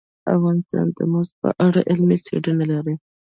افغانستان د زمرد په اړه علمي څېړنې لري.